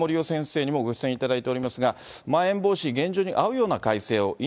先生にもご出演いただいておりますが、まん延防止、現状に合うような改正を！